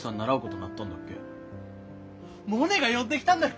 モネが呼んできたんだっけ？